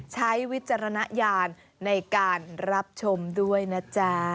วิจารณญาณในการรับชมด้วยนะจ๊ะ